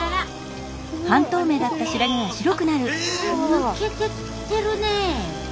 抜けてってるねえ。